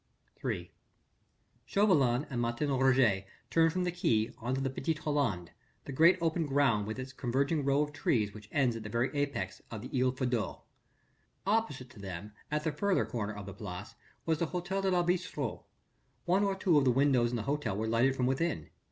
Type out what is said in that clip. III Chauvelin and Martin Roget turned from the quay on to the Petite Hollande the great open ground with its converging row of trees which ends at the very apex of the Isle of Feydeau. Opposite to them at the further corner of the Place was the Hôtel de la Villestreux. One or two of the windows in the hotel were lighted from within.